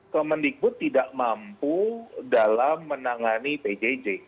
kemendikbud tidak mampu dalam menangani pjj